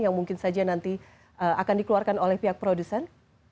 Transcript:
yang mungkin saja nanti akan dikeluarkan oleh pihak produsen